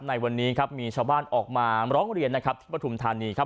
ในวันนี้ครับมีชาวบ้านออกมาร้องเรียนนะครับที่ปฐุมธานีครับ